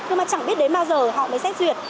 nhưng mà chẳng biết đến bao giờ họ mới xét duyệt